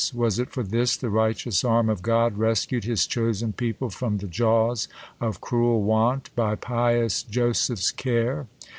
Was it for this the righteous arm of God Rcscu'd his chosen people from the jaws Of cruel want, by pious Joseph's care